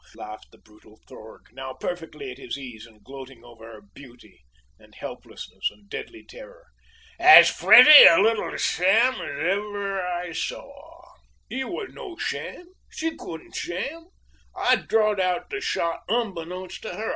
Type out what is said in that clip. laughed the brutal Thorg, now perfectly at his ease, and gloating over her beauty, and helplessness, and, deadly terror. "As pretty a little sham as ever I saw!" "It was no sham! She couldn't sham! I drawed out the shot unbeknownst to her!